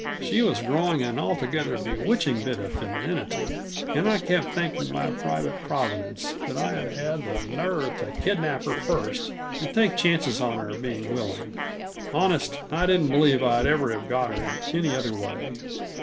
She was growing an altogether bewitching bit of femininity, and I kept thanking my private Providence that I had had the nerve to kidnap her first and take chances on her being willing. Honest, I don't believe I'd ever have got her in any other way.